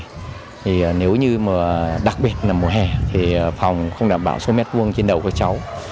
thì nếu như mà đặc biệt là mùa hè thì phòng không đảm bảo số m hai trên đầu của cháu